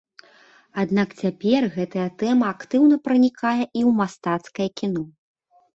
Аднак цяпер гэтая тэма актыўна пранікае і ў мастацкае кіно.